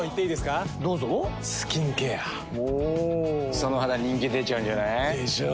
その肌人気出ちゃうんじゃない？でしょう。